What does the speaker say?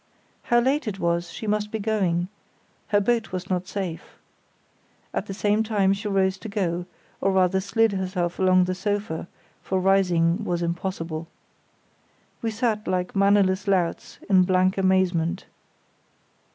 How late it was, she must be going—her boat was not safe. At the same time she rose to go, or rather slid herself along the sofa, for rising was impossible. We sat like mannerless louts, in blank amazement.